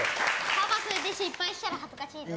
パパ、失敗したら恥ずかしいぞ。